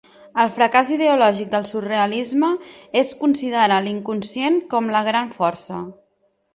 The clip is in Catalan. El fracàs ideològic del surrealisme és considerar l'inconscient com la gran força.